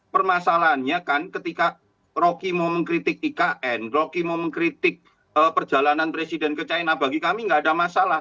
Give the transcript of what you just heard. permasalahannya kan ketika rocky mau mengkritik ikn rocky mau mengkritik perjalanan presiden ke china bagi kami nggak ada masalah